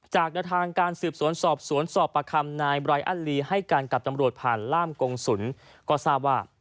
จากแนวทางการสืบสวนสอบสวนสอบประคำนายไรอันลีให้การกับตำรวจผ่านล่ามกงศุลก็ทราบว่า